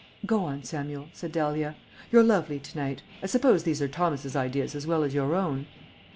"Go on, Samuel," said Dahlia. "You're lovely to night. I suppose these are Thomas's ideas as well as your own?"